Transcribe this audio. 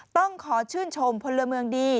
ต้องขอชื่นชมพลเมืองดี